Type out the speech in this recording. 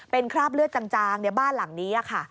เป็นคราบเลือดจางในบ้านหลังนี้ค่ะ